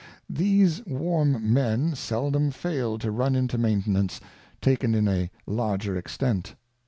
These warm Men seldom fail to run into Maintenance, taken in a larger Extent.